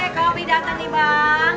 kopi dateng nih bang